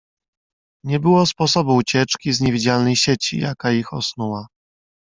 "Nie było sposobu ucieczki z niewidzialnej sieci, jaka ich osnuła."